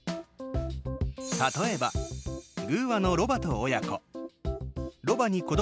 例えば寓話の「ロバと親子」。